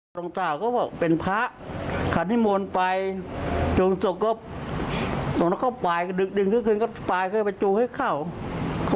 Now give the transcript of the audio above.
ไปท่องบูชาภาชอะไรแล้วใครทำดีมันก็ได้ดีทำถั่วก็ได้ชั่วควะกันเทอะ